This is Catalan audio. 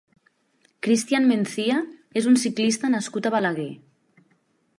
Christian Mencía és un ciclista nascut a Balaguer.